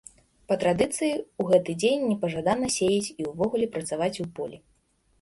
Па традыцыі, у гэты дзень непажадана сеяць і ўвогуле працаваць у полі.